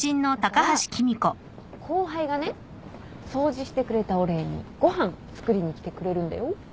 だから後輩がね掃除してくれたお礼にご飯作りに来てくれるんだよ。